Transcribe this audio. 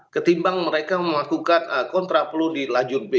ketimbang mereka melakukan kontraplu di lajur b